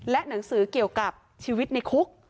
และหนังสือเกี่ยวกับชีวิตในคุก